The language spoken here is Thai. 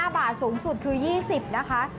๕บาทสูงสุดคือ๒๐นะคะ